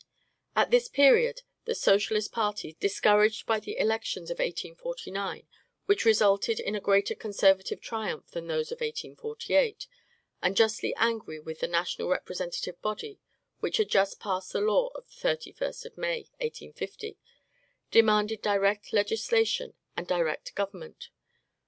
At this period, the Socialist party, discouraged by the elections of 1849, which resulted in a greater conservative triumph than those of 1848, and justly angry with the national representative body which had just passed the law of the 31st of May, 1850, demanded direct legislation and direct government.